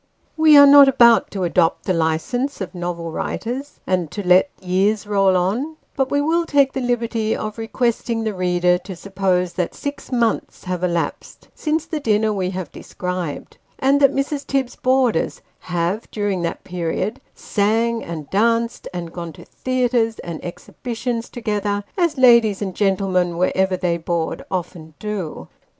Wo are not about to adopt the licence of novel writers, and to let " years roll on ;" but we will take the liberty of requesting the reader to suppose that six months have elapsed, since the dinner we have described, and that Mrs. Tibbs's boarders have, during that period, sang, and danced, and gone to theatres and exhibitions, together, as ladies and gentlemen, wherever they board, often do.